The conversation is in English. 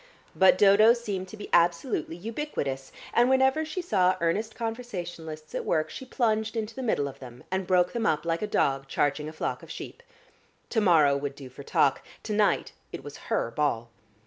But Dodo seemed to be absolutely ubiquitous, and whenever she saw earnest conversationalists at work, she plunged into the middle of them, and broke them up like a dog charging a flock of sheep. To morrow would do for talk, to night it was her ball.